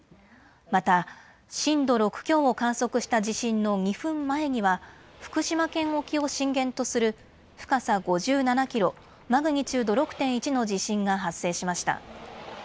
また、震度６強を観測した地震の２分前には福島県沖を震源とする深さ５７キロマグニチュード６．１の地震が発生しました。